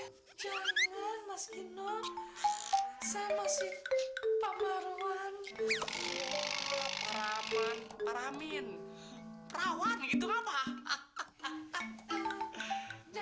hai jangan mas gino saya masih pahlawan peraman paramin rawan itu apa hahaha